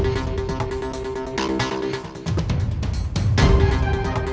biasanya aku tidak tahu dari mana